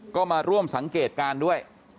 ก็มาร่วมสังเกตการณ์ด้วย